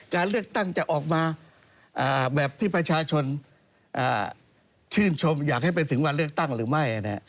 การเลือกตั้งจะออกมาแบบที่ประชาชนชื่นชมอยากให้ไปถึงวันเลือกตั้งหรือไม่